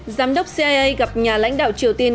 giám đốc cia gặp nhà lãnh đạo triều tiên